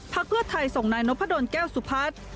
เพื่อไทยส่งนายนพดลแก้วสุพัฒน์